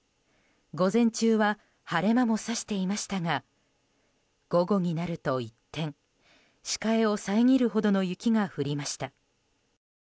午前中は晴れ間も差していましたが午後になると一転視界を遮るほどの雪が降りました。